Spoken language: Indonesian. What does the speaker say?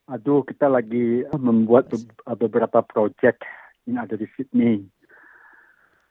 aduh kita lagi membuat beberapa proyek yang ada di sydney